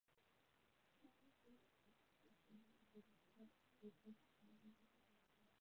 甘波早熟禾为禾本科早熟禾属下的一个种。